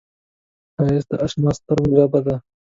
ښایست د اشنا سترګو ژبه ده